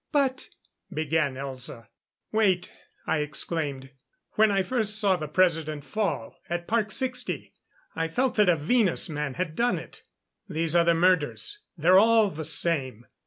"But " began Elza. "Wait," I exclaimed. "When I first saw the President fall, at Park Sixty, I felt that a Venus man had done it. These other murders they're all the same.